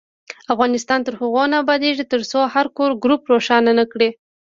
افغانستان تر هغو نه ابادیږي، ترڅو هر کور ګروپ روښانه نکړي.